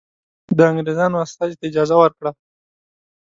د انګرېزانو استازي ته اجازه ورکړه.